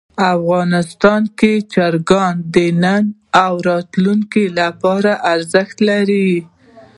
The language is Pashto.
افغانستان کې چرګان د نن او راتلونکي لپاره ارزښت لري.